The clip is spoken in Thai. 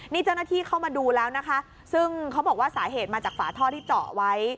นี่เจ้าหน้าที่เข้ามาดูแล้วนะคะซึ่งเขาบอกว่าสาเหตุมาจากฝาท่อที่เจาะไว้